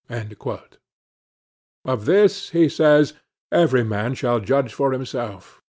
Of this, he says, every man shall judge for himself.